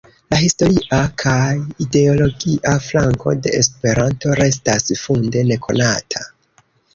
La historia kaj ideologia flanko de Esperanto restas funde nekonata.